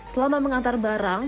selama mengantar barang